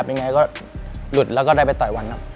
เป็นยังไงก็หลุดแล้วก็ได้ไปต่อยวัน